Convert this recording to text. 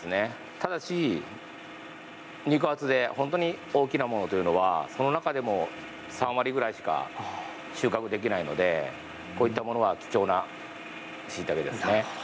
ただし肉厚で本当に大きなものというのは、その中でも３割ぐらいしか収穫できないのでこういったものは貴重なしいたけですね。